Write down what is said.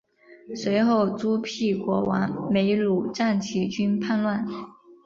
随后苏毗国王没庐赞起兵叛乱。